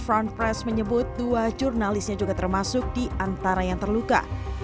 fron fresh menyebut dua jurnalisnya juga termasuk di antara yang terluka